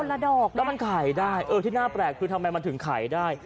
ละดอกแล้วมันขายได้เออที่น่าแปลกคือทำไมมันถึงขายได้